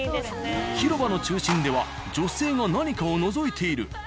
広場の中心では女性が何かをのぞいている。